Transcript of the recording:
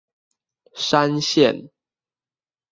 山線